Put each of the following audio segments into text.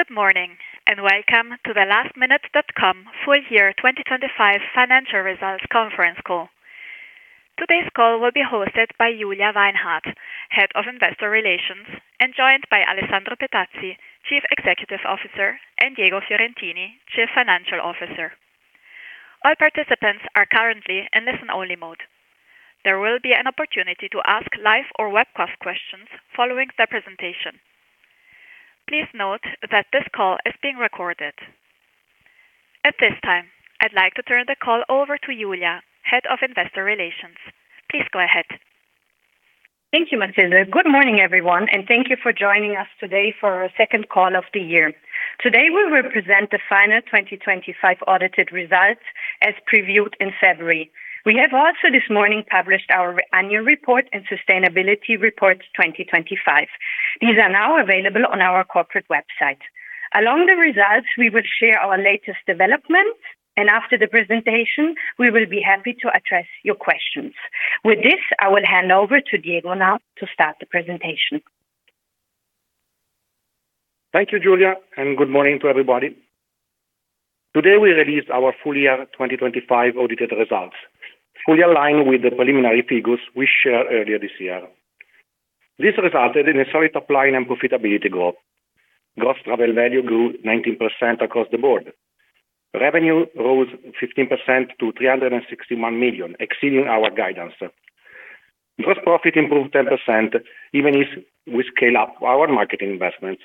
Good morning, and welcome to the lastminute.com full year 2025 financial results conference call. Today's call will be hosted by Julia Weinhart, Head of Investor Relations, and joined by Alessandro Petazzi, Chief Executive Officer, and Diego Fiorentini, Chief Financial Officer. All participants are currently in listen-only mode. There will be an opportunity to ask live or webcast questions following the presentation. Please note that this call is being recorded. At this time, I'd like to turn the call over to Julia, Head of Investor Relations. Please go ahead. Thank you, Matilde. Good morning, everyone, and thank you for joining us today for our second call of the year. Today, we will present the final 2025 audited results as previewed in February. We have also this morning published our annual report and sustainability report 2025. These are now available on our corporate website. Along the results, we will share our latest developments, and after the presentation, we will be happy to address your questions. With this, I will hand over to Diego now to start the presentation. Thank you, Julia, and good morning to everybody. Today, we release our full year 2025 audited results, fully aligned with the preliminary figures we shared earlier this year. This resulted in a solid top line and profitability growth. Gross travel value grew 19% across the board. Revenue rose 15% to 361 million, exceeding our guidance. Gross profit improved 10%, even if we scale up our marketing investment.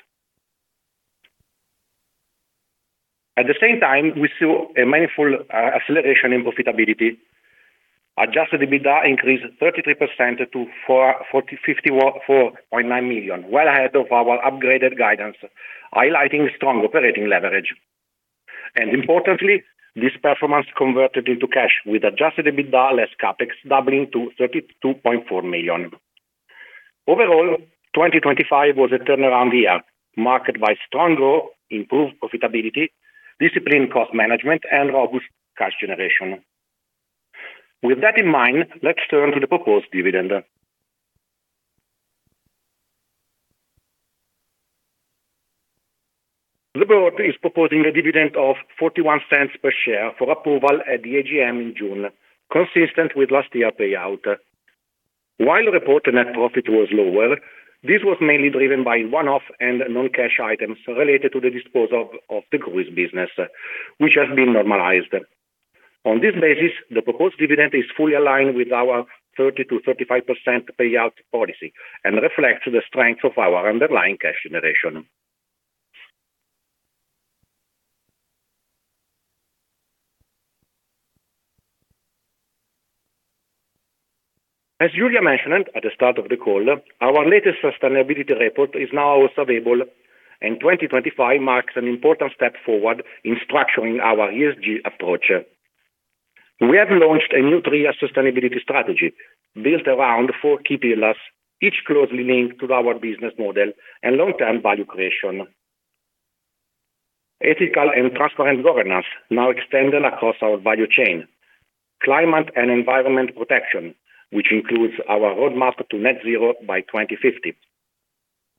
At the same time, we saw a meaningful acceleration in profitability. Adjusted EBITDA increased 33% to 54.9 million, well ahead of our upgraded guidance, highlighting strong operating leverage. Importantly, this performance converted into cash with adjusted EBITDA less CapEx doubling to 32.4 million. Overall, 2025 was a turnaround year, marked by strong growth, improved profitability, disciplined cost management, and robust cash generation. With that in mind, let's turn to the proposed dividend. The board is proposing a dividend of 0.41 per share for approval at the AGM in June, consistent with last year payout. While reported net profit was lower, this was mainly driven by one-off and non-cash items related to the disposal of the Cruise business, which has been normalized. On this basis, the proposed dividend is fully aligned with our 30%-35% payout policy and reflects the strength of our underlying cash generation. As Julia mentioned at the start of the call, our latest sustainability report is now also available, and 2025 marks an important step forward in structuring our ESG approach. We have launched a new three-year sustainability strategy built around four key pillars, each closely linked to our business model and long-term value creation. Ethical and transparent governance, now extended across our value chain. Climate and environment protection, which includes our roadmap to net zero by 2050.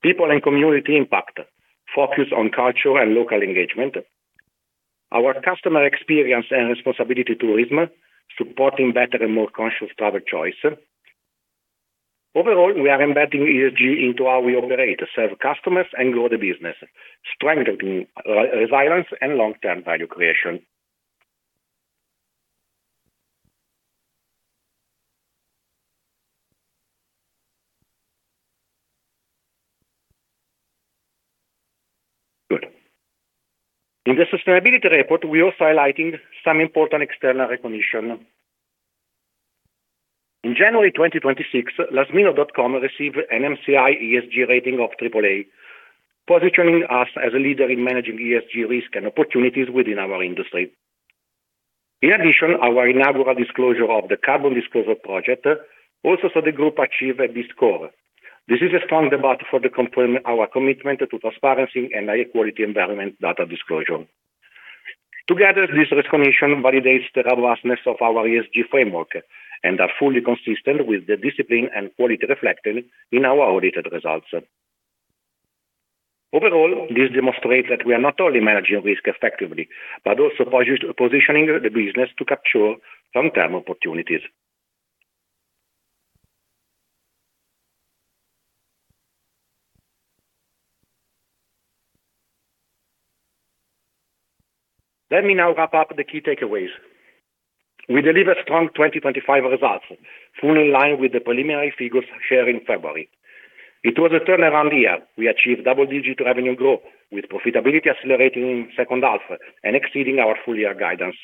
People and community impact, focused on culture and local engagement. Our customer experience and responsible tourism, supporting better and more conscious travel choices. Overall, we are embedding ESG into how we operate to serve customers and grow the business, strengthening resilience and long-term value creation. In the sustainability report, we are also highlighting some important external recognition. In January 2026, lastminute.com received an MSCI ESG Rating of AAA, positioning us as a leader in managing ESG risk and opportunities within our industry. In addition, our inaugural disclosure of the Carbon Disclosure Project also saw the group achieve a B score. This is a strong debut to confirm our commitment to transparency and high-quality environmental data disclosure. Together, this recognition validates the robustness of our ESG framework and are fully consistent with the discipline and quality reflected in our audited results. Overall, this demonstrates that we are not only managing risk effectively, but also positioning the business to capture long-term opportunities. Let me now wrap up the key takeaways. We delivered strong 2025 results, fully in line with the preliminary figures shared in February. It was a turnaround year. We achieved double-digit revenue growth, with profitability accelerating in second half and exceeding our full year guidance.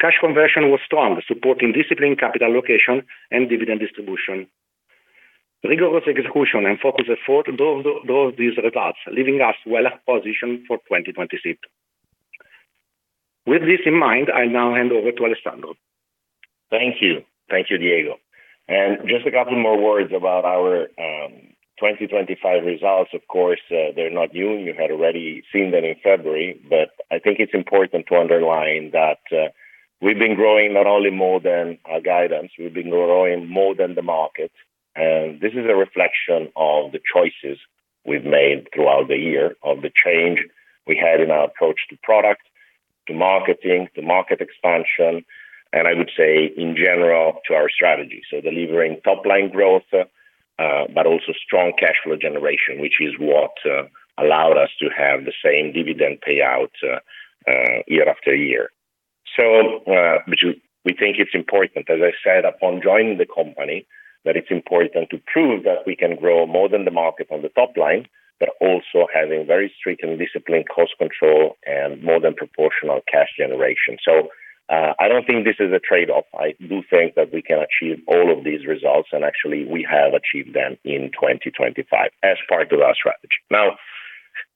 Cash conversion was strong, supporting disciplined capital allocation and dividend distribution. Rigorous execution and focused effort drove these results, leaving us well positioned for 2026. With this in mind, I now hand over to Alessandro. Thank you. Thank you, Diego. Just a couple more words about our 2025 results. Of course, they're not new. You had already seen them in February, but I think it's important to underline that. We've been growing not only more than our guidance, we've been growing more than the market. This is a reflection of the choices we've made throughout the year, of the change we had in our approach to product, to marketing, to market expansion, and I would say, in general, to our strategy. Delivering top-line growth, but also strong cash flow generation, which is what allowed us to have the same dividend payout year after year. We think it's important, as I said upon joining the company, that it's important to prove that we can grow more than the market on the top line, but also having very strict and disciplined cost control and more than proportional cash generation. I don't think this is a trade-off. I do think that we can achieve all of these results, and actually we have achieved them in 2025 as part of our strategy. Now,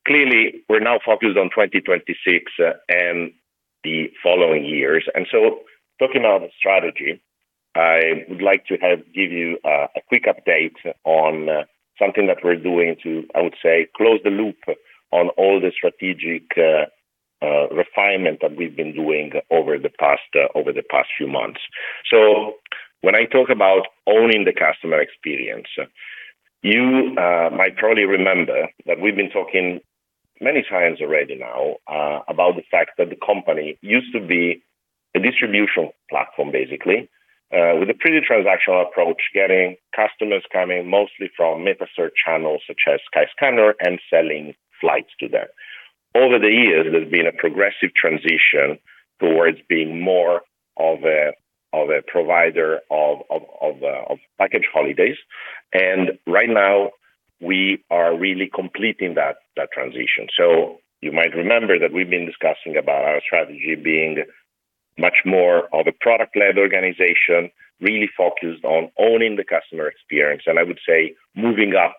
clearly, we're now focused on 2026 and the following years. Talking about strategy, I would like to give you a quick update on something that we're doing to, I would say, close the loop on all the strategic refinement that we've been doing over the past few months. When I talk about owning the customer experience, you might probably remember that we've been talking many times already now about the fact that the company used to be a distribution platform, basically, with a pretty transactional approach, getting customers coming mostly from metasearch channels such as Skyscanner and selling flights to them. Over the years, there's been a progressive transition towards being more of a provider of package holidays. Right now, we are really completing that transition. You might remember that we've been discussing about our strategy being much more of a product-led organization, really focused on owning the customer experience, and I would say moving up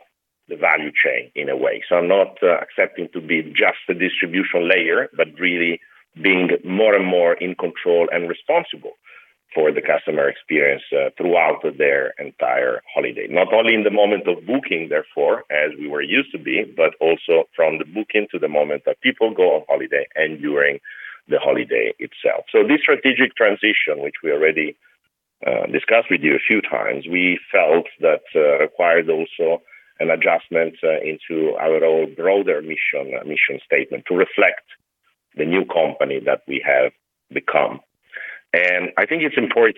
the value chain in a way. Not accepting to be just the distribution layer, but really being more and more in control and responsible for the customer experience throughout their entire holiday. Not only in the moment of booking, therefore, as we were used to be, but also from the booking to the moment that people go on holiday and during the holiday itself. This strategic transition, which we already discussed with you a few times, we felt that required also an adjustment into our own broader mission statement to reflect the new company that we have become. I think it's important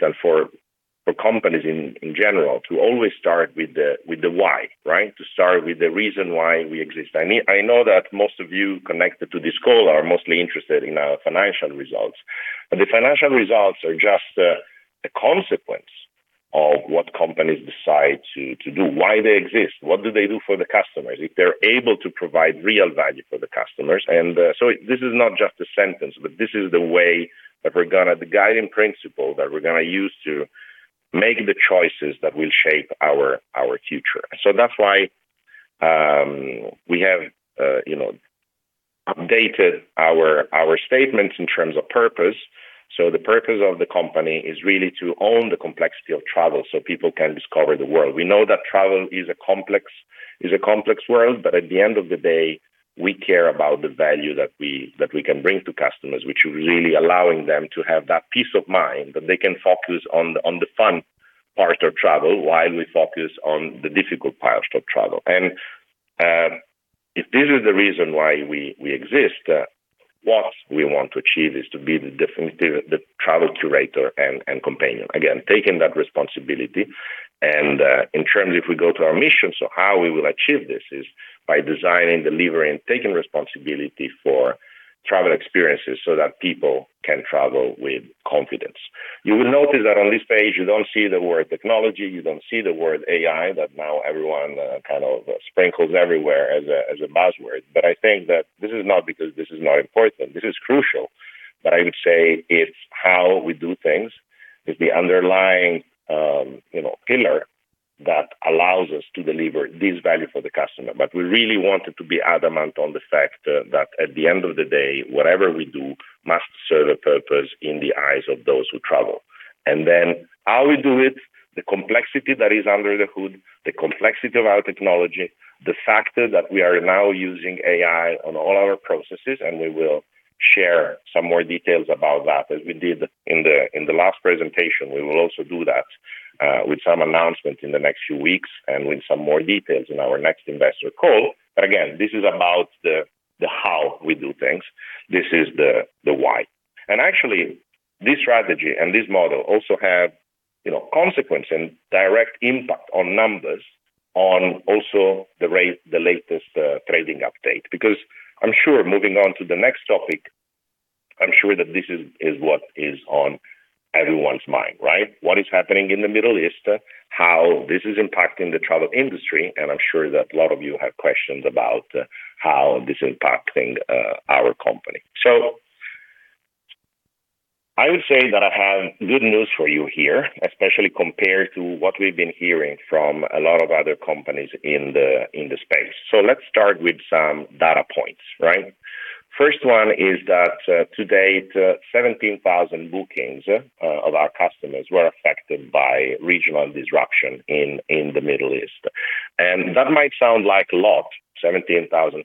for companies in general to always start with the why, right? To start with the reason why we exist. I know that most of you connected to this call are mostly interested in our financial results, but the financial results are just a consequence of what companies decide to do, why they exist, what do they do for the customers, if they're able to provide real value for the customers. This is not just a sentence, but this is the guiding principle that we're gonna use to make the choices that will shape our future. That's why we have you know updated our statements in terms of purpose. The purpose of the company is really to own the complexity of travel so people can discover the world. We know that travel is a complex world, but at the end of the day, we care about the value that we can bring to customers, which is really allowing them to have that peace of mind, that they can focus on the fun part of travel while we focus on the difficult parts of travel. If this is the reason why we exist, what we want to achieve is to be the definitive travel curator and companion. Again, taking that responsibility. In terms of our mission, how we will achieve this is by designing, delivering, taking responsibility for travel experiences so that people can travel with confidence. You will notice that on this page you don't see the word technology, you don't see the word AI, that now everyone kind of sprinkles everywhere as a buzzword. I think that this is not because this is not important. This is crucial. I would say it's how we do things is the underlying, you know, pillar that allows us to deliver this value for the customer. We really wanted to be adamant on the fact that at the end of the day, whatever we do must serve a purpose in the eyes of those who travel. Then how we do it, the complexity that is under the hood, the complexity of our technology, the fact that we are now using AI on all our processes, and we will share some more details about that as we did in the last presentation. We will also do that with some announcements in the next few weeks and with some more details in our next investor call. Again, this is about the how we do things. This is the why. Actually, this strategy and this model also have you know consequence and direct impact on numbers on also the latest trading update. Because I'm sure moving on to the next topic, I'm sure that this is what is on everyone's mind, right? What is happening in the Middle East, how this is impacting the travel industry, and I'm sure that a lot of you have questions about how this is impacting our company. I would say that I have good news for you here, especially compared to what we've been hearing from a lot of other companies in the space. Let's start with some data points, right? First one is that to date 17,000 bookings of our customers were affected by regional disruption in the Middle East. That might sound like a lot, 17,000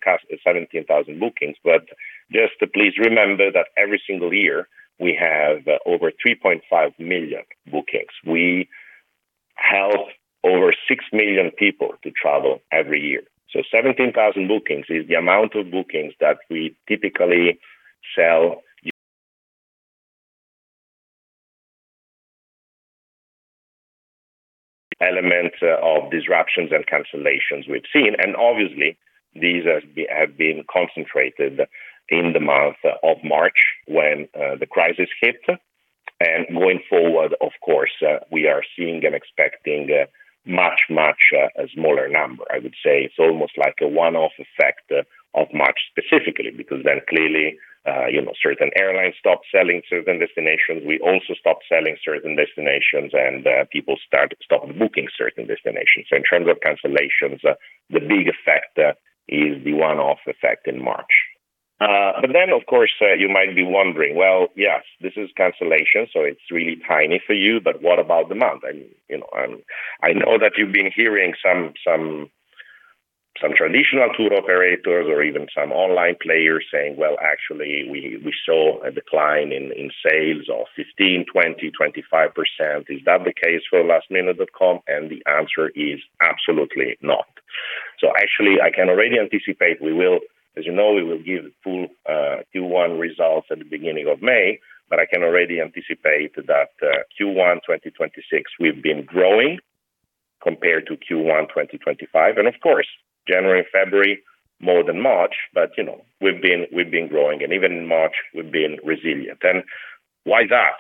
bookings, but just please remember that every single year we have over 3.5 million bookings. We help over 6 million people to travel every year. 17,000 bookings is the amount of bookings that we typically sell. Element of disruptions and cancellations we've seen. Obviously, these have been concentrated in the month of March when the crisis hit. Going forward, of course, we are seeing and expecting a much, much smaller number. I would say it's almost like a one-off effect of March specifically, because then clearly, you know, certain airlines stopped selling certain destinations. We also stopped selling certain destinations, and people stopped booking certain destinations. In terms of cancellations, the big effect is the one-off effect in March. But then, of course, you might be wondering, well, yes, this is cancellation, so it's really tiny for you, but what about the month? You know, I know that you've been hearing some traditional tour operators or even some online players saying, "Well, actually we saw a decline in sales of 15%, 20%, 25%. Is that the case for lastminute.com?" The answer is absolutely not. Actually, I can already anticipate we will, as you know, we will give full Q1 results at the beginning of May, but I can already anticipate that Q1 2026, we've been growing compared to Q1 2025. Of course, January, February, more than March, but, you know, we've been growing. Even in March we've been resilient. Why that?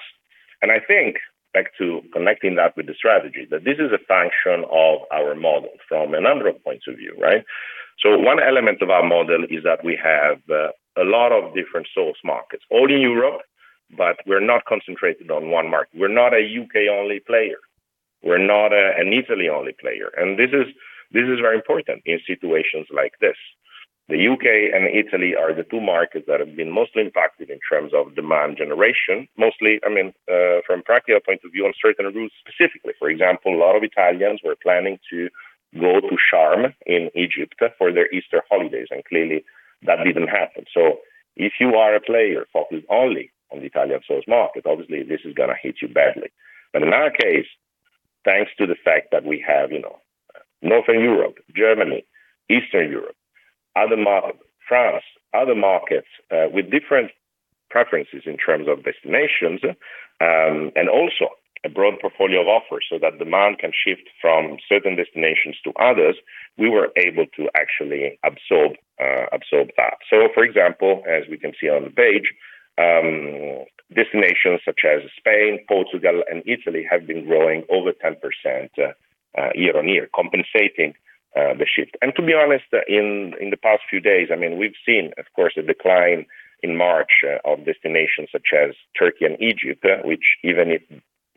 I think back to connecting that with the strategy, that this is a function of our model from a number of points of view, right? One element of our model is that we have a lot of different source markets, all in Europe, but we're not concentrated on one market. We're not a U.K.-only player. We're not an Italy-only player. This is very important in situations like this. The U.K. and Italy are the two markets that have been mostly impacted in terms of demand generation. Mostly, I mean, from practical point of view, on certain routes specifically. For example, a lot of Italians were planning to go to Sharm in Egypt for their Easter holidays, and clearly that didn't happen. If you are a player focused only on the Italian source market, obviously this is gonna hit you badly. In our case, thanks to the fact that we have Northern Europe, Germany, Eastern Europe, other market, France, other markets with different preferences in terms of destinations and also a broad portfolio of offers so that demand can shift from certain destinations to others, we were able to actually absorb that. For example, as we can see on the page, destinations such as Spain, Portugal and Italy have been growing over 10% year-on-year, compensating the shift. To be honest, in the past few days, I mean, we've seen, of course, a decline in March of destinations such as Turkey and Egypt, which even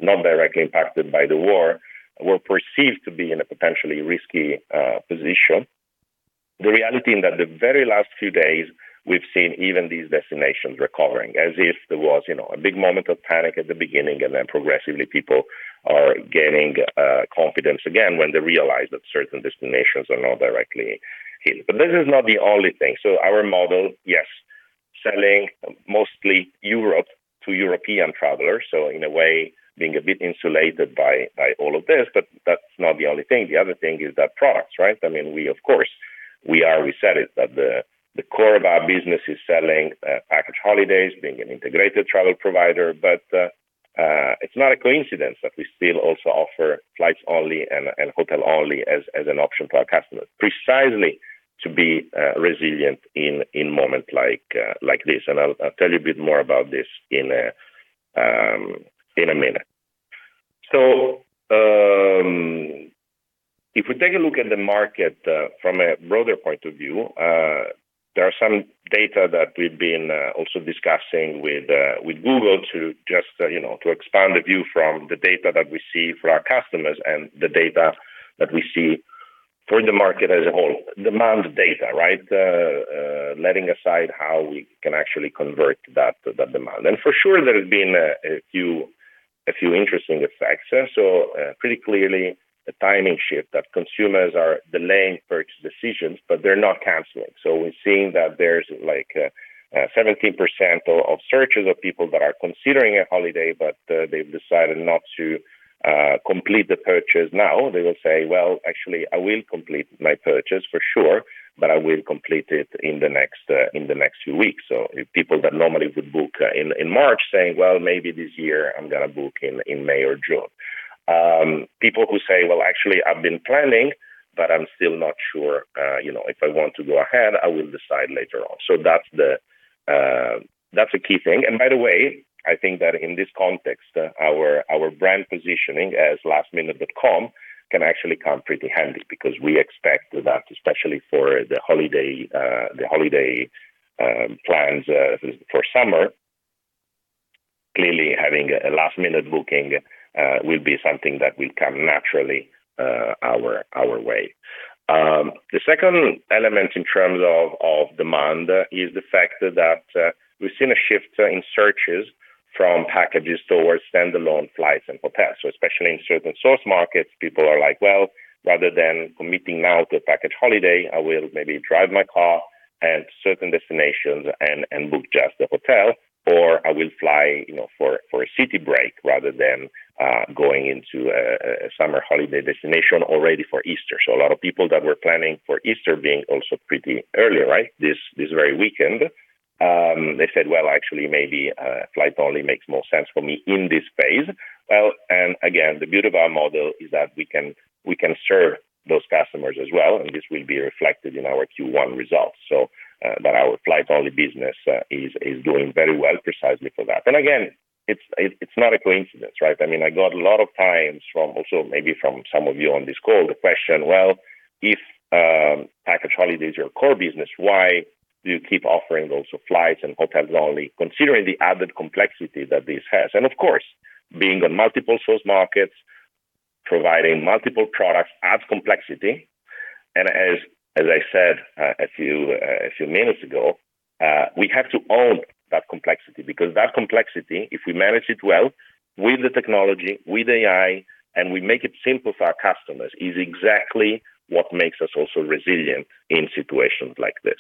if not directly impacted by the war, were perceived to be in a potentially risky position. The reality is that the very last few days we've seen even these destinations recovering as if there was, you know, a big moment of panic at the beginning, and then progressively people are gaining confidence again when they realize that certain destinations are not directly hit. This is not the only thing. Our model, yes, selling mostly Europe to European travelers, so in a way being a bit insulated by all of this, but that's not the only thing. The other thing is that products, right? I mean, we said it, that the core of our business is selling package holidays, being an integrated travel provider. It's not a coincidence that we still also offer flights only and hotel only as an option to our customers, precisely to be resilient in moment like this. I'll tell you a bit more about this in a minute. If we take a look at the market from a broader point of view, there are some data that we've been also discussing with Google to just, you know, to expand the view from the data that we see for our customers and the data that we see for the market as a whole. Demand data, right? Setting aside how we can actually convert that demand. For sure, there have been a few interesting effects. Pretty clearly a timing shift that consumers are delaying purchase decisions, but they're not canceling. We're seeing that there's like 17% of searches of people that are considering a holiday, but they've decided not to complete the purchase now. They will say, "Well, actually I will complete my purchase for sure, but I will complete it in the next few weeks." People that normally would book in March saying, "Well, maybe this year I'm gonna book in May or June." People who say, "Well, actually I've been planning, but I'm still not sure, you know, if I want to go ahead, I will decide later on." That's a key thing. By the way, I think that in this context, our brand positioning as lastminute.com can actually come pretty handy because we expect that especially for the holiday plans for summer, clearly having a last-minute booking will be something that will come naturally our way. The second element in terms of demand is the fact that we've seen a shift in searches from packages towards standalone flights and hotels. Especially in certain source markets, people are like, "Well, rather than committing now to a package holiday, I will maybe drive my car and certain destinations and book just the hotel, or I will fly, you know, for a city break rather than going into a summer holiday destination already for Easter." A lot of people that were planning for Easter being also pretty early, right? This very weekend, they said, "Well, actually maybe a flight only makes more sense for me in this phase." Well, again, the beauty of our model is that we can serve those customers as well, and this will be reflected in our Q1 results. But our flight-only business is doing very well precisely for that. Again, it's not a coincidence, right? I mean, I got a lot of times from also maybe from some of you on this call, the question: Well, if package holiday is your core business, why do you keep offering those flights and hotels only, considering the added complexity that this has? Of course, being on multiple source markets, providing multiple products adds complexity. As I said a few minutes ago, we have to own that complexity because that complexity if we manage it well with the technology, with AI, and we make it simple for our customers, is exactly what makes us also resilient in situations like this.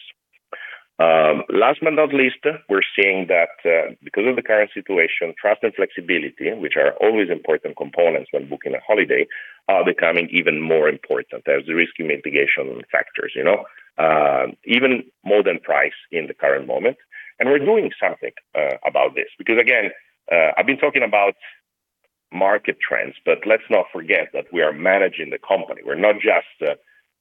Last but not least, we're seeing that because of the current situation, trust and flexibility, which are always important components when booking a holiday, are becoming even more important as the risk mitigation factors, you know. Even more than price in the current moment. We're doing something about this. Because again, I've been talking about market trends, but let's not forget that we are managing the company. We're not just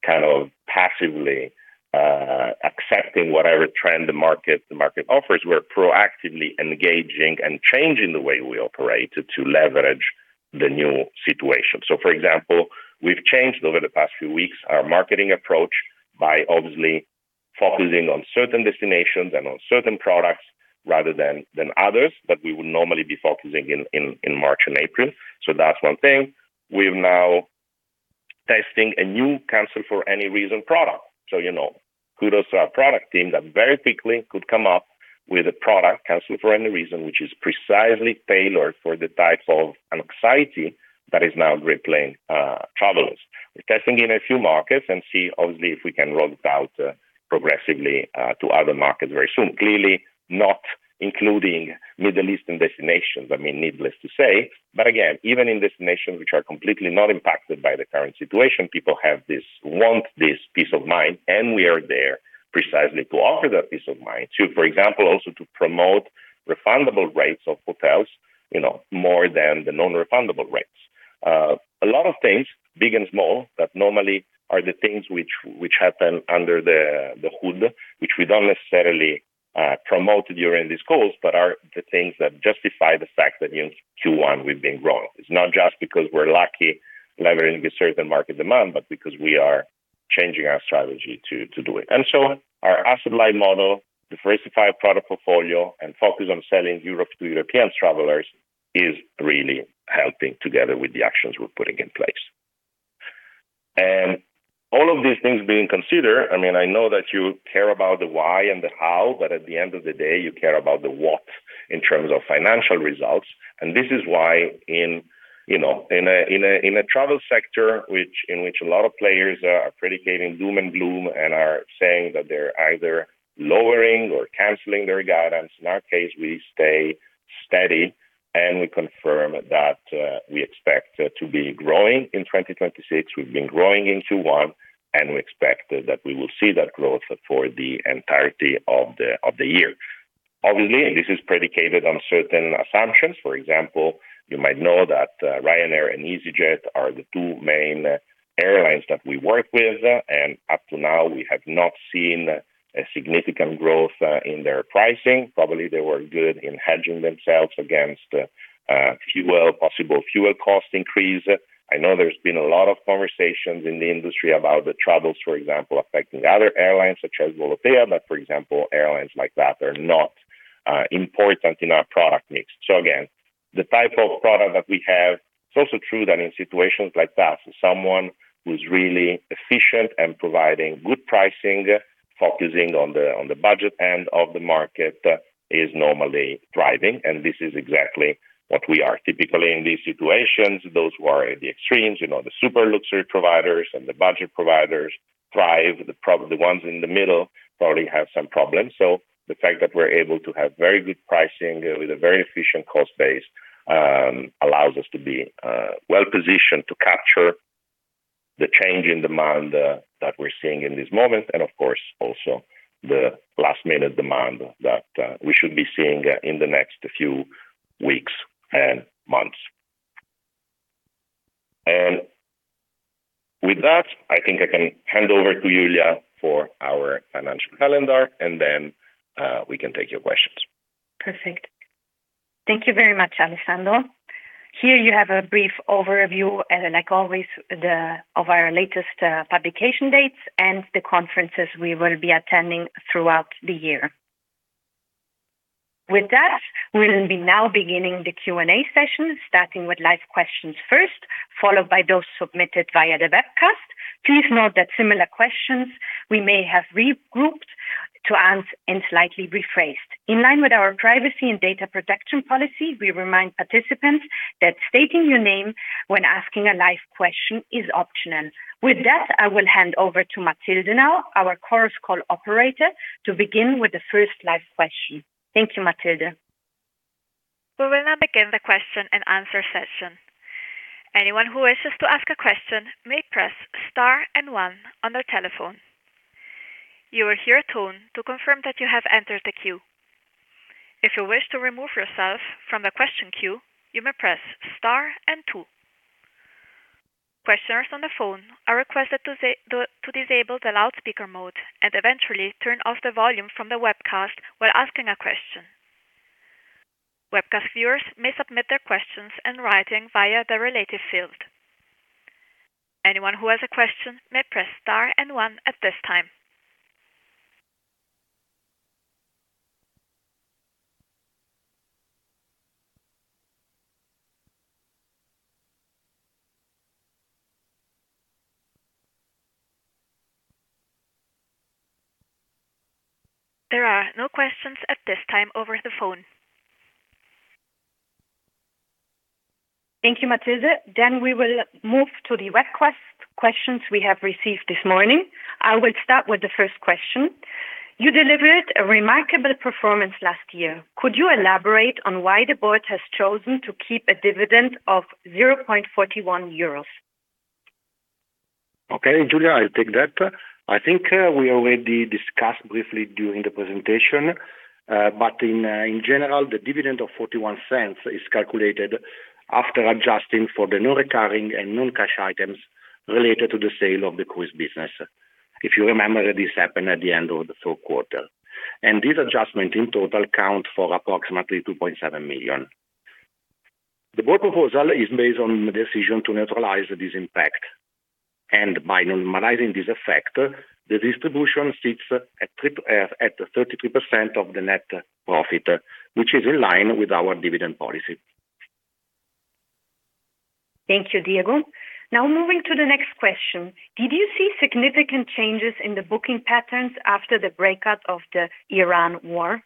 kind of passively accepting whatever trend the market offers. We're proactively engaging and changing the way we operate to leverage the new situation. For example, we've changed over the past few weeks our marketing approach by obviously focusing on certain destinations and on certain products rather than others that we would normally be focusing in March and April. That's one thing. We're now testing a new Cancel for Any Reason product. You know, kudos to our product team that very quickly could come up with a product, Cancel for Any Reason, which is precisely tailored for the type of anxiety that is now gripping travelers. We're testing in a few markets and see obviously if we can roll it out progressively to other markets very soon. Clearly not including Middle Eastern destinations. I mean, needless to say. But again, even in destinations which are completely not impacted by the current situation, people want this peace of mind, and we are there precisely to offer that peace of mind. To, for example, also to promote refundable rates of hotels, you know, more than the non-refundable rates. A lot of things, big and small, that normally are the things which happen under the hood, which we don't necessarily promote during these calls, but are the things that justify the fact that in Q1 we've been growing. It's not just because we're lucky leveraging a certain market demand, but because we are changing our strategy to do it. Our asset-light model, diversified product portfolio, and focus on selling Europe to European travelers is really helping together with the actions we're putting in place. All of these things being considered, I mean, I know that you care about the why and the how, but at the end of the day, you care about the what in terms of financial results. This is why, you know, in a travel sector in which a lot of players are predicating doom and gloom and are saying that they're either lowering or canceling their guidance. In our case, we stay steady, and we confirm that we expect to be growing in 2026. We've been growing in Q1, and we expect that we will see that growth for the entirety of the year. Obviously, this is predicated on certain assumptions. For example, you might know that Ryanair and easyJet are the two main airlines that we work with. Up to now, we have not seen a significant growth in their pricing. Probably they were good in hedging themselves against possible fuel cost increase. I know there's been a lot of conversations in the industry about the troubles, for example, affecting other airlines such as Volotea, but for example, airlines like that are not important in our product mix. Again, the type of product that we have, it's also true that in situations like that, someone who's really efficient and providing good pricing, focusing on the budget end of the market, is normally thriving. This is exactly what we are typically in these situations. Those who are at the extremes, you know, the super luxury providers and the budget providers thrive. The ones in the middle probably have some problems. The fact that we're able to have very good pricing with a very efficient cost base allows us to be well-positioned to capture the change in demand that we're seeing in this moment, and of course, also the last-minute demand that we should be seeing in the next few weeks and months. With that, I think I can hand over to Julia for our financial calendar, and then we can take your questions. Perfect. Thank you very much, Alessandro. Here you have a brief overview, and like always, of our latest publication dates and the conferences we will be attending throughout the year. With that, we'll be now beginning the Q&A session, starting with live questions first, followed by those submitted via the webcast. Please note that similar questions we may have regrouped to answer and slightly rephrased. In line with our privacy and data protection policy, we remind participants that stating your name when asking a live question is optional. With that, I will hand over to Matilde now, our Chorus Call operator, to begin with the first live question. Thank you, Matilde. We will now begin the question and answer session. Anyone who wishes to ask a question may press star and one on their telephone. You will hear a tone to confirm that you have entered the queue. If you wish to remove yourself from the question queue, you may press star and two. Questioners on the phone are requested to disable the loudspeaker mode and eventually turn off the volume from the webcast while asking a question. Webcast viewers may submit their questions in writing via the related field. Anyone who has a question may press star and one at this time. There are no questions at this time over the phone. Thank you, Matilde. We will move to the request questions we have received this morning. I will start with the first question. You delivered a remarkable performance last year. Could you elaborate on why the board has chosen to keep a dividend of 0.41 euros? Okay, Julia, I'll take that. I think we already discussed briefly during the presentation, but in general, the dividend of 0.41 is calculated after adjusting for the non-recurring and non-cash items related to the sale of the cruise business. If you remember, this happened at the end of the fourth quarter. This adjustment in total account for approximately 2.7 million. The board proposal is based on the decision to neutralize this impact. By normalizing this effect, the distribution sits at 33% of the net profit, which is in line with our dividend policy. Thank you, Diego. Now moving to the next question. Did you see significant changes in the booking patterns after the breakout of the Iran war?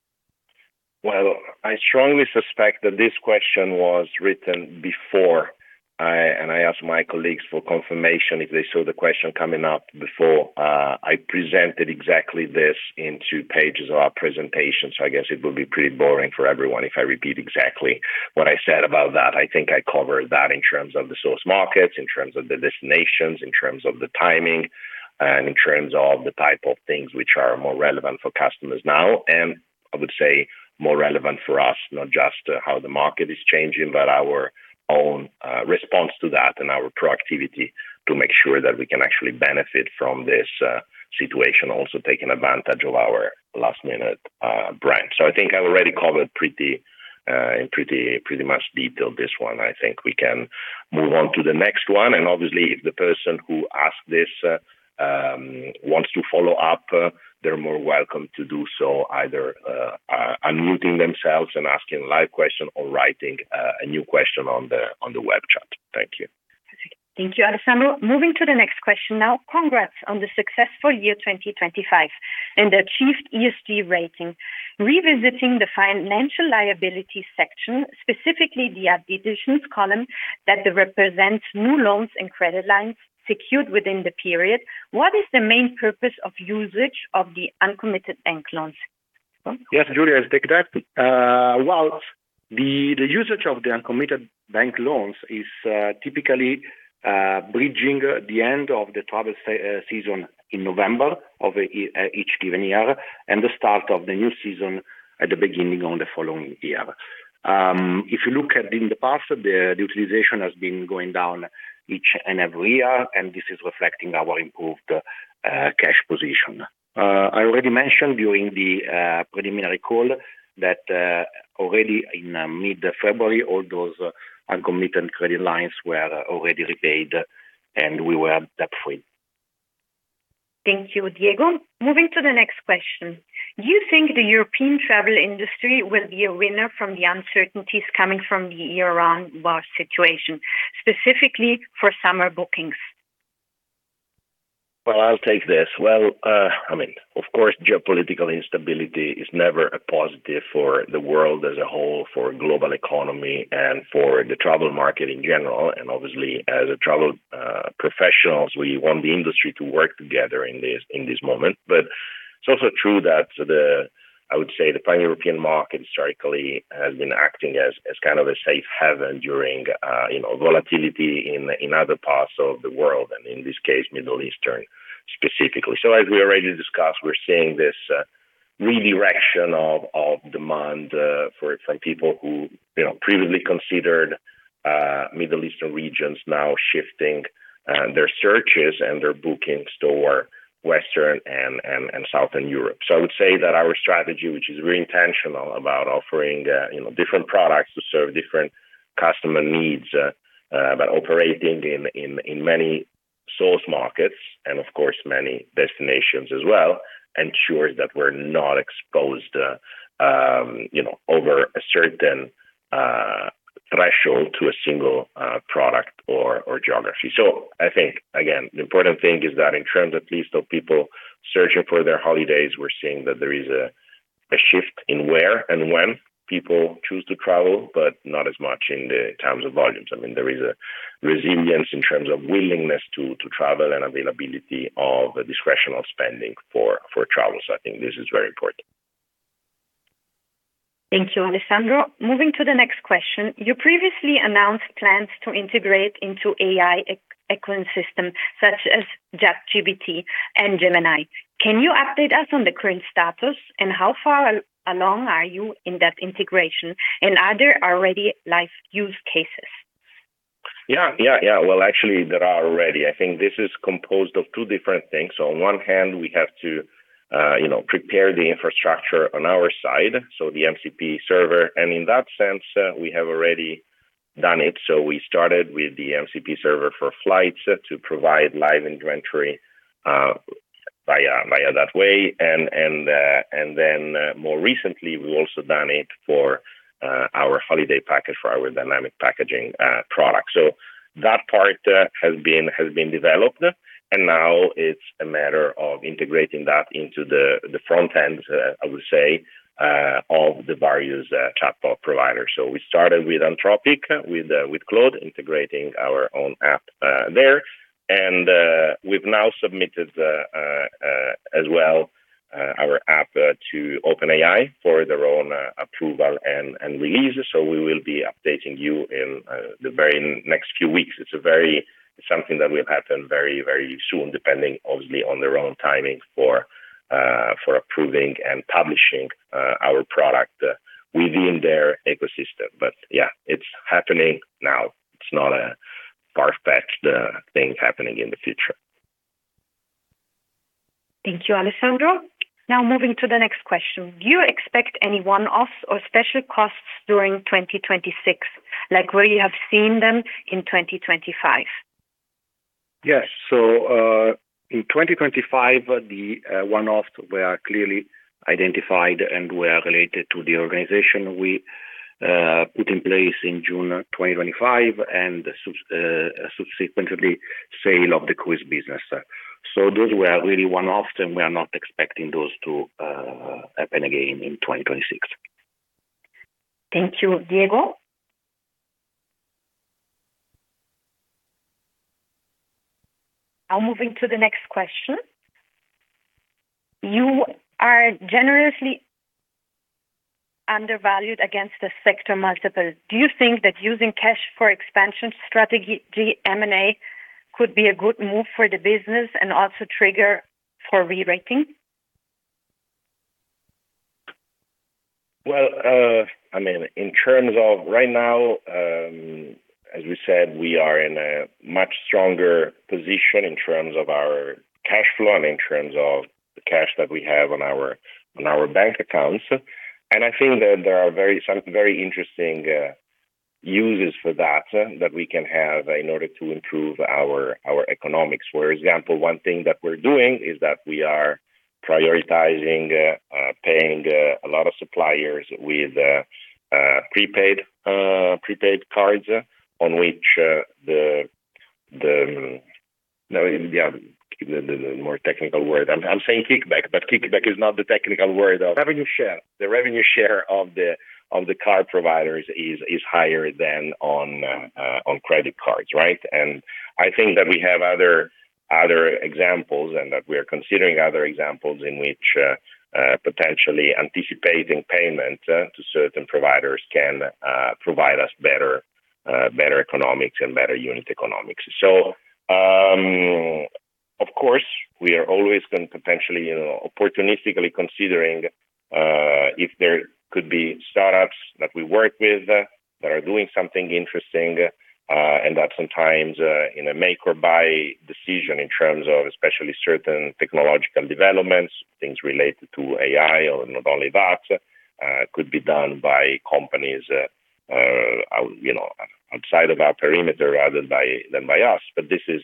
Well, I strongly suspect that this question was written before. I asked my colleagues for confirmation if they saw the question coming up before. I presented exactly this in two pages of our presentation, so I guess it would be pretty boring for everyone if I repeat exactly what I said about that. I think I covered that in terms of the source markets, in terms of the destinations, in terms of the timing, and in terms of the type of things which are more relevant for customers now, more relevant for us, not just how the market is changing, but our own response to that and our productivity to make sure that we can actually benefit from this situation, also taking advantage of our lastminute.com brand. I think I already covered this one pretty much in detail. I think we can move on to the next one. Obviously, if the person who asked this wants to follow up, they're more than welcome to do so either unmuting themselves and asking a live question or writing a new question on the web chat. Thank you. Thank you, Alessandro. Moving to the next question now. Congrats on the successful year 2025 and the achieved ESG rating. Revisiting the financial liability section, specifically the additions column that represents new loans and credit lines secured within the period. What is the main purpose of usage of the uncommitted bank loans? Yes, Julia, I'll take that. Well, the usage of the uncommitted bank loans is typically bridging the end of the travel season in November of each given year and the start of the new season at the beginning of the following year. If you look at in the past, the utilization has been going down each and every year, and this is reflecting our improved cash position. I already mentioned during the preliminary call that already in mid-February, all those uncommitted credit lines were already repaid, and we were debt free. Thank you, Diego. Moving to the next question. Do you think the European travel industry will be a winner from the uncertainties coming from the Iran war situation, specifically for summer bookings? Well, I'll take this. Well, I mean, of course, geopolitical instability is never a positive for the world as a whole, for global economy and for the travel market in general. Obviously, as travel professionals, we want the industry to work together in this moment. It's also true that the I would say the pan-European market historically has been acting as kind of a safe haven during, you know, volatility in other parts of the world, and in this case, Middle Eastern specifically. As we already discussed, we're seeing this redirection of demand for some people who, you know, previously considered Middle Eastern regions now shifting their searches and their bookings toward Western and Southern Europe. I would say that our strategy, which is very intentional about offering, you know, different products to serve different customer needs, but operating in many source markets and of course, many destinations as well, ensures that we're not exposed, you know, over a certain threshold to a single product or geography. I think, again, the important thing is that in terms at least of people searching for their holidays, we're seeing that there is a shift in where and when people choose to travel, but not as much in terms of volumes. I mean, there is a resilience in terms of willingness to travel and availability of the discretionary spending for travel. I think this is very important. Thank you, Alessandro. Moving to the next question. You previously announced plans to integrate into AI ecosystem such as ChatGPT and Gemini. Can you update us on the current status, and how far along are you in that integration, and are there already live use cases? Yeah. Well, actually, there are already. I think this is composed of two different things. On one hand, we have to, you know, prepare the infrastructure on our side, so the MCP server. In that sense, we have already done it. We started with the MCP server for flights to provide live inventory via that way. Then, more recently, we've also done it for our holiday package for our Dynamic Packaging product. That part has been developed, and now it's a matter of integrating that into the front end, I would say, of the various chatbot providers. We started with Anthropic, with Claude, integrating our own app there. We've now submitted as well our app to OpenAI for their own approval and release. We will be updating you in the very next few weeks. It's something that will happen very, very soon, depending obviously on their own timing for approving and publishing our product within their ecosystem. Yeah, it's happening now. It's not a far-fetched things happening in the future. Thank you, Alessandro. Now moving to the next question. Do you expect any one-offs or special costs during 2026, like where you have seen them in 2025? Yes. In 2025, the one-offs were clearly identified and were related to the organization we put in place in June 2025 and, subsequently, sale of the cruise business. Those were really one-off, and we are not expecting those to happen again in 2026. Thank you, Diego. Now moving to the next question. You are generously undervalued against the sector multiple. Do you think that using cash for expansion strategy, M&A could be a good move for the business and also trigger for re-rating? Well, I mean, in terms of right now, as we said, we are in a much stronger position in terms of our cash flow and in terms of the cash that we have on our bank accounts. I think that there are some very interesting uses for that that we can have in order to improve our economics. For example, one thing that we're doing is that we are prioritizing paying a lot of suppliers with prepaid cards on which the more technical word. I'm saying kickback, but kickback is not the technical word of- Revenue share. The revenue share of the card providers is higher than on credit cards, right? I think that we have other examples and that we are considering other examples in which potentially anticipating payment to certain providers can provide us better economics and better unit economics. Of course, we are always going to potentially you know opportunistically considering if there could be startups that we work with that are doing something interesting and that sometimes in a make or buy decision in terms of especially certain technological developments, things related to AI or not only that could be done by companies out you know outside of our perimeter rather by than by us. This is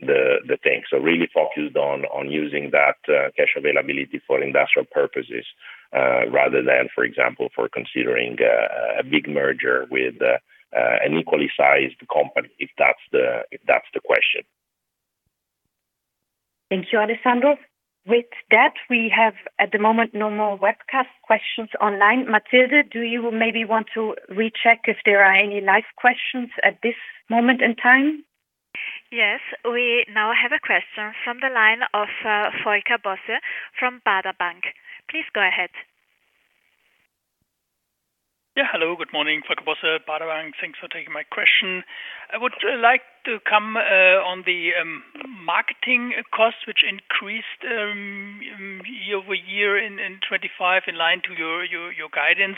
the thing. Really focused on using that cash availability for industrial purposes, rather than, for example, for considering a big merger with an equally sized company, if that's the question. Thank you, Alessandro. With that, we have, at the moment, no more webcast questions online. Matilde, do you maybe want to recheck if there are any live questions at this moment in time? Yes. We now have a question from the line of Volker Bosse from Baader Bank. Please go ahead. Hello, good morning. Volker Bosse, Baader Bank. Thanks for taking my question. I would like to comment on the marketing costs, which increased year-over-year in 2025 in line with your guidance.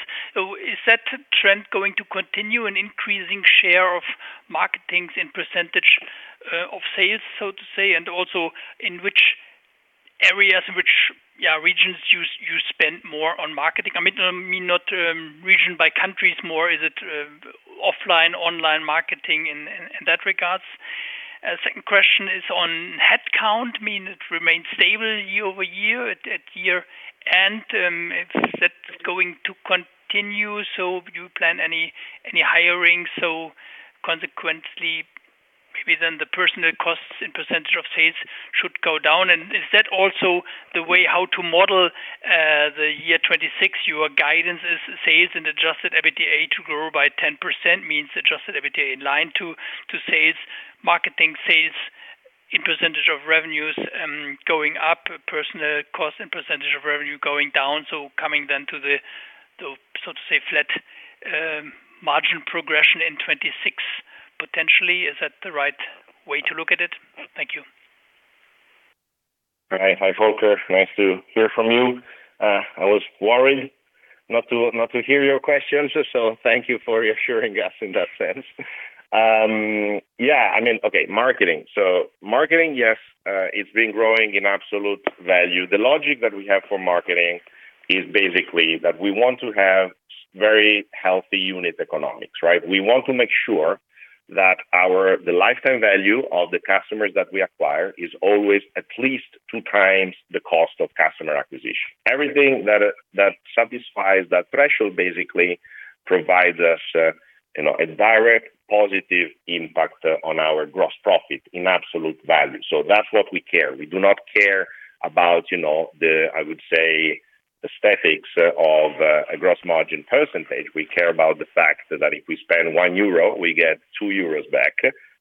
Is that trend going to continue, an increasing share of marketing as a percentage of sales, so to say? Also, in which areas, in which regions do you spend more on marketing? I mean, meaning not by region, by countries more. Is it offline, online marketing in that regard? Second question is on headcount. I mean it remains stable year-over-year at year end if that's going to continue. Do you plan any hiring? Consequently, maybe then the personnel costs as a percentage of sales should go down. Is that also the way to model the year 2026? Your guidance is sales and adjusted EBITDA to grow by 10% means adjusted EBITDA in line to sales. Marketing sales in percentage of revenues going up. Personnel costs in percentage of revenue going down. Coming then to the so to say flat margin progression in 2026 potentially. Is that the right way to look at it? Thank you. Right. Hi, Volker. Nice to hear from you. I was worried not to hear your questions, so thank you for reassuring us in that sense. Yeah, I mean, okay, marketing. Marketing, yes, it's been growing in absolute value. The logic that we have for marketing is basically that we want to have very healthy unit economics, right? We want to make sure that the lifetime value of the customers that we acquire is always at least 2x the cost of customer acquisition. Everything that satisfies that threshold basically provides us, you know, a direct positive impact on our gross profit in absolute value. That's what we care. We do not care about, you know, the, I would say, aesthetics of a gross margin percentage. We care about the fact that if we spend 1 euro, we get 2 euros back,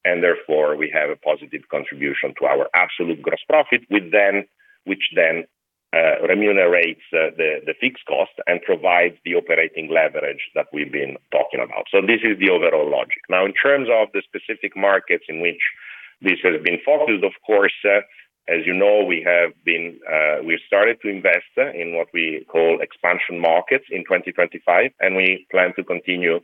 and therefore we have a positive contribution to our absolute gross profit, which then remunerates the fixed cost and provides the operating leverage that we've been talking about. This is the overall logic. Now, in terms of the specific markets in which this has been focused, of course, as you know, we started to invest in what we call expansion markets in 2025, and we plan to continue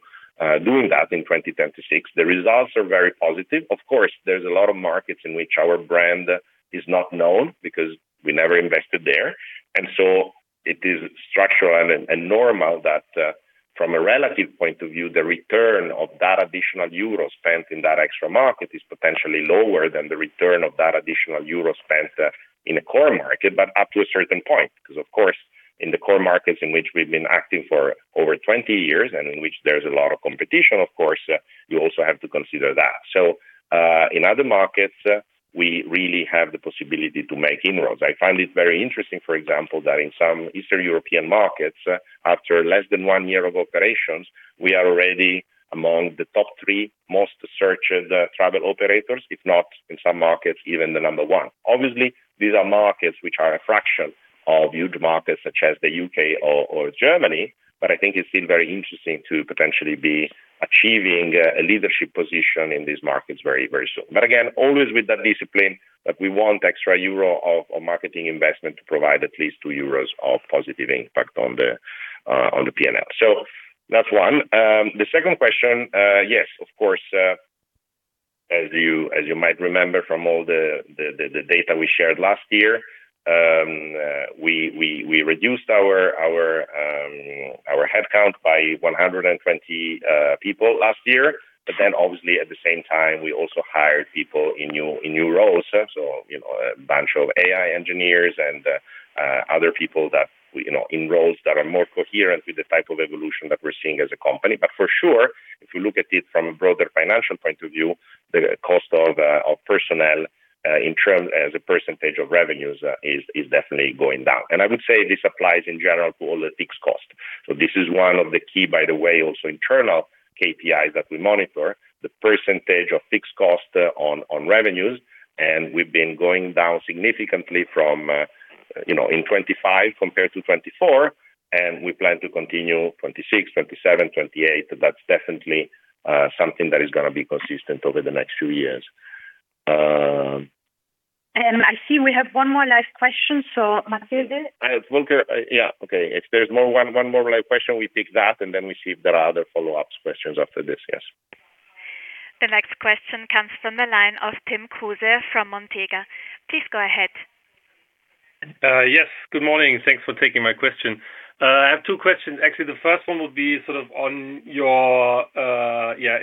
doing that in 2026. The results are very positive. Of course, there's a lot of markets in which our brand is not known because we never invested there. It is structural and normal that, from a relative point of view, the return of that additional euro spent in that extra market is potentially lower than the return of that additional euro spent in a core market, but up to a certain point. Because of course, in the core markets in which we've been active for over 20 years and in which there's a lot of competition, of course, you also have to consider that. In other markets, we really have the possibility to make inroads. I find it very interesting, for example, that in some Eastern European markets, after less than one year of operations, we are already among the top 3 most searched travel operators, if not in some markets, even the number one. Obviously, these are markets which are a fraction of huge markets such as the U.K. or Germany, but I think it's still very interesting to potentially be achieving a leadership position in these markets very, very soon. Again, always with that discipline that we want extra euro of marketing investment to provide at least 2 euros of positive impact on the P&L. That's one. The second question, yes, of course, as you might remember from all the data we shared last year, we reduced our headcount by 120 people last year. Obviously at the same time, we also hired people in new roles. You know, a bunch of AI engineers and other people that we, you know, in roles that are more coherent with the type of evolution that we're seeing as a company. For sure, if you look at it from a broader financial point of view, the cost of personnel in terms of a percentage of revenues is definitely going down. I would say this applies in general to all the fixed costs. This is one of the key, by the way, also internal KPIs that we monitor, the percentage of fixed costs on revenues. We've been going down significantly from, you know, in 2025 compared to 2024, and we plan to continue 2026, 2027, 2028. That's definitely something that is gonna be consistent over the next few years. I see we have one more live question, so Matilde? Volker. Yeah. Okay. If there's more, one more live question, we take that, and then we see if there are other follow-up questions after this. Yes. The next question comes from the line of Tim Kruse from Montega. Please go ahead. Yes. Good morning. Thanks for taking my question. I have two questions. Actually, the first one would be sort of on your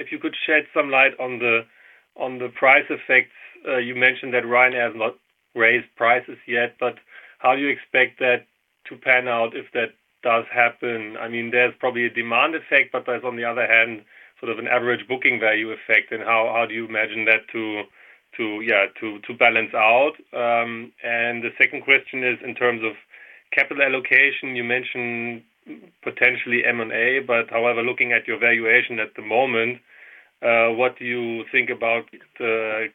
if you could shed some light on the price effects. You mentioned that Ryanair has not raised prices yet, but how do you expect that to pan out if that does happen? I mean, there's probably a demand effect, but on the other hand, sort of an average booking value effect. How do you imagine that to balance out? The second question is in terms of capital allocation. You mentioned potentially M&A, but however, looking at your valuation at the moment, what do you think about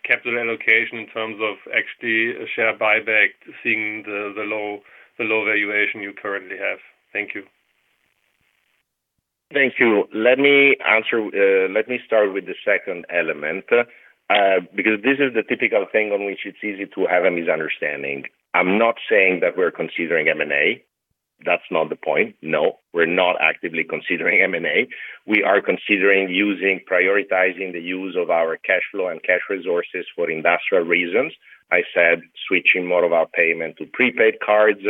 capital allocation in terms of actually a share buyback, seeing the low valuation you currently have? Thank you. Thank you. Let me answer. Let me start with the second element, because this is the typical thing on which it's easy to have a misunderstanding. I'm not saying that we're considering M&A. That's not the point. No, we're not actively considering M&A. We are considering prioritizing the use of our cash flow and cash resources for industrial reasons. I said switching more of our payments to prepaid cards,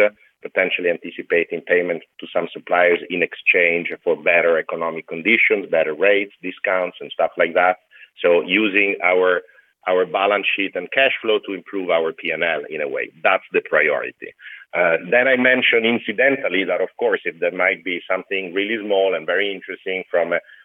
potentially anticipating payments to some suppliers in exchange for better economic conditions, better rates, discounts, and stuff like that. Using our balance sheet and cash flow to improve our P&L in a way, that's the priority. I mentioned incidentally that of course if there might be something really small and very interesting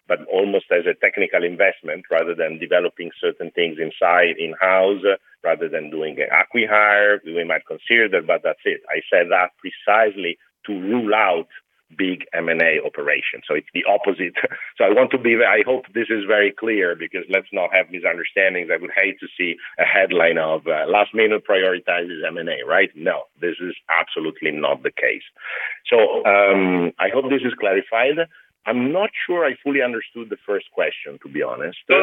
but almost as a technical investment rather than developing certain things inside in-house rather than doing an acqui-hire, we might consider that, but that's it. I said that precisely to rule out big M&A operations. It's the opposite. I want to be very clear. I hope this is very clear because let's not have misunderstandings. I would hate to see a headline of lastminute.com prioritizes M&A, right? No, this is absolutely not the case. I hope this is clarified. I'm not sure I fully understood the first question, to be honest. No.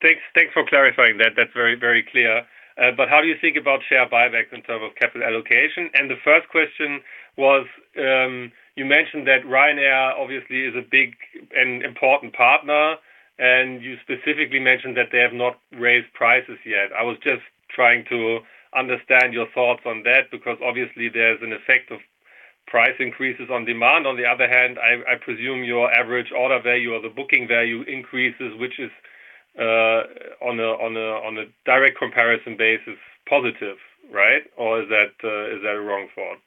Thanks for clarifying that. That's very clear. But how do you think about share buybacks in terms of capital allocation? The first question was, you mentioned that Ryanair obviously is a big and important partner, and you specifically mentioned that they have not raised prices yet. I was just trying to understand your thoughts on that because obviously there's an effect of price increases on demand. On the other hand, I presume your average order value or the booking value increases, which is on a direct comparison basis positive, right? Or is that a wrong thought?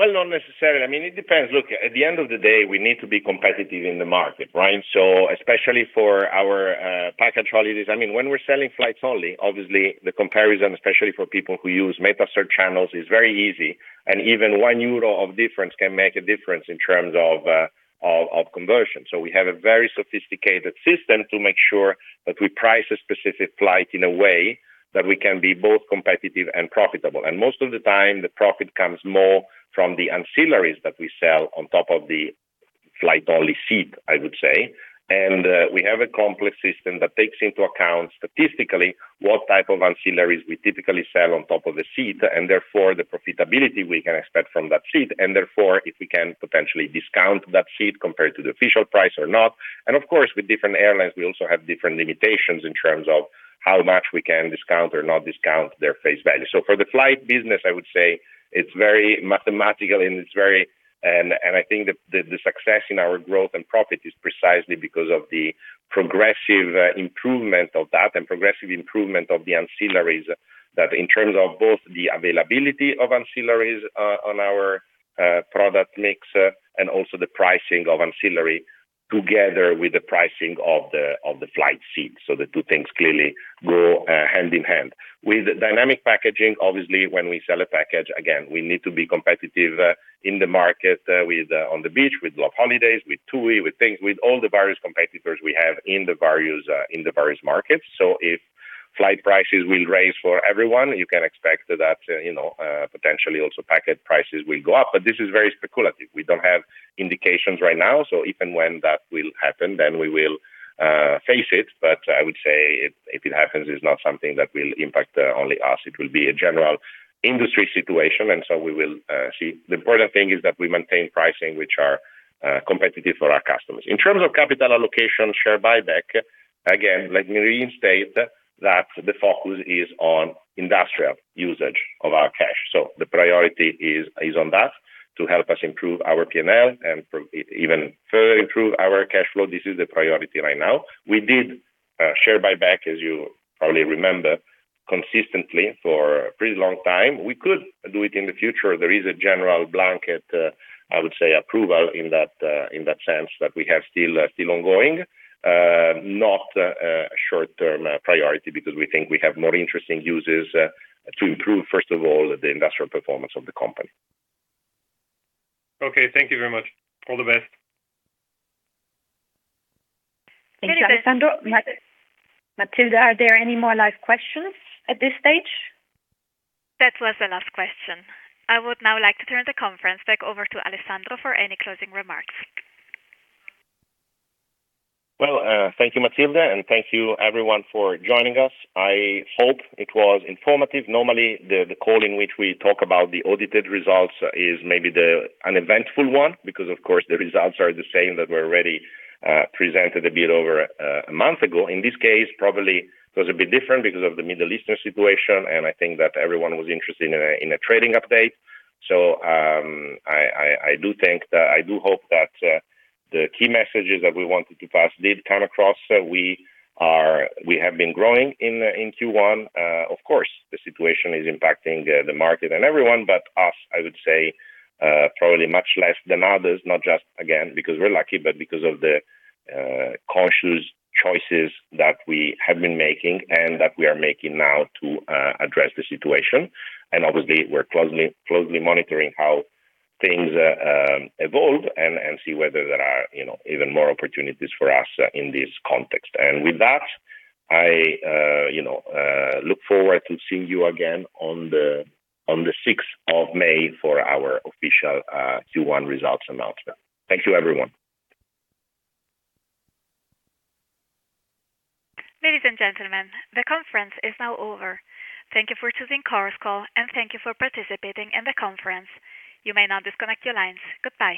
Well, not necessarily. I mean, it depends. Look, at the end of the day, we need to be competitive in the market, right? Especially for our package holidays. I mean, when we're selling flights only, obviously the comparison, especially for people who use metasearch channels, is very easy, and even 1 euro of difference can make a difference in terms of conversion. We have a very sophisticated system to make sure that we price a specific flight in a way that we can be both competitive and profitable. Most of the time, the profit comes more from the ancillaries that we sell on top of the flight-only seat, I would say. We have a complex system that takes into account statistically what type of ancillaries we typically sell on top of the seat, and therefore the profitability we can expect from that seat. Therefore, if we can potentially discount that seat compared to the official price or not. Of course, with different airlines, we also have different limitations in terms of how much we can discount or not discount their face value. For the flight business, I would say it's very mathematical and I think the success in our growth and profit is precisely because of the progressive improvement of that and progressive improvement of the ancillaries, that in terms of both the availability of ancillaries on our product mix, and also the pricing of ancillary together with the pricing of the flight seat. The two things clearly go hand in hand. With Dynamic Packaging, obviously when we sell a package, again, we need to be competitive in the market with On the Beach, with loveholidays, with TUI, with all the various competitors we have in the various markets. If flight prices will rise for everyone, you can expect that, you know, potentially also package prices will go up. This is very speculative. We don't have indications right now. If and when that will happen, then we will face it. I would say if it happens, it's not something that will impact only us. It will be a general industry situation, and so we will see. The important thing is that we maintain pricing which are competitive for our customers. In terms of capital allocation, share buyback, again, let me reinstate that the focus is on industrial usage of our cash. The priority is on that to help us improve our P&L and even further improve our cash flow. This is the priority right now. We did share buyback, as you probably remember, consistently for a pretty long time. We could do it in the future. There is a general blanket, I would say, approval in that sense that we have still ongoing. Not a short-term priority because we think we have more interesting uses to improve first of all the industrial performance of the company. Okay. Thank you very much. All the best. Thanks, Alessandro. Matilde, are there any more live questions at this stage? That was the last question. I would now like to turn the conference back over to Alessandro for any closing remarks. Well, thank you, Matilde, and thank you everyone for joining us. I hope it was informative. Normally, the call in which we talk about the audited results is maybe the uneventful one because of course the results are the same that were already presented a bit over a month ago. In this case, probably it was a bit different because of the Middle Eastern situation, and I think that everyone was interested in a trading update. I do hope that the key messages that we wanted to pass did come across. We have been growing in Q1. Of course, the situation is impacting the market and everyone but us, I would say, probably much less than others, not just, again, because we're lucky, but because of the conscious choices that we have been making and that we are making now to address the situation. Obviously we're closely monitoring how things evolve and see whether there are, you know, even more opportunities for us in this context. With that, I, you know, look forward to seeing you again on the 6th of May for our official Q1 results announcement. Thank you everyone. Ladies and gentlemen, the conference is now over. Thank you for choosing Chorus Call, and thank you for participating in the conference. You may now disconnect your lines. Goodbye.